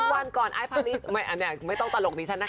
ทุกวันก่อนไอภาริสไม่ต้องตลกดิฉันนะคะ